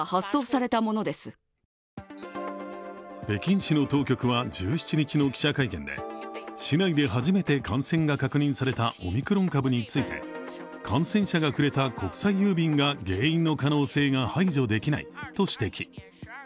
北京市の当局は１７日の記者会見で市内で初めて感染が確認されたオミクロン株について感染者が触れた国際郵便が原因の可能性が排除できないと指摘。